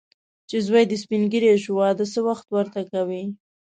چې زوی دې سپین ږیری شو، واده څه وخت ورته کوې.